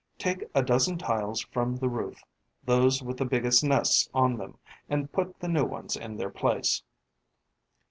Take a dozen tiles from the roof, those with the biggest nests on them, and put the new ones in their place.'